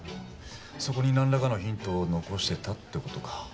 そこに何らかのヒントを残してたってことか。